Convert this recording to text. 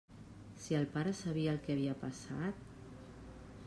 Si el pare sabia el que havia passat...!